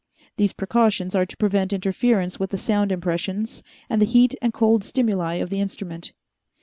These precautions are to prevent interference with the sound impressions and the heat and cold stimuli of the instrument.